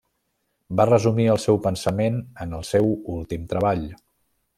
Va resumir el seu pensament en el seu últim treball: